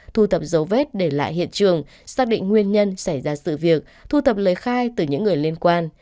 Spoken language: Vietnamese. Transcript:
thu thập dấu vết để lại hiện trường xác định nguyên nhân xảy ra sự việc thu thập lời khai từ những người liên quan